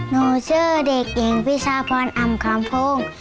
โนเชื่อเด็กเย็งพิชาพรอำคัมภง